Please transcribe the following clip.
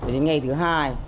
thì ngay thứ hai